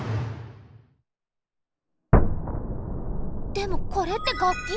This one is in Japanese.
でもこれって楽器？